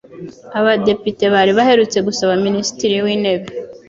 Abadepite bari baherutse gusaba Minisitiri w'Intebe